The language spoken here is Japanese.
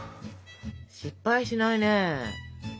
失敗しないね。